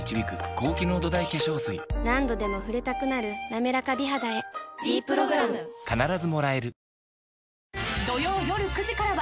何度でも触れたくなる「なめらか美肌」へ「ｄプログラム」友樹。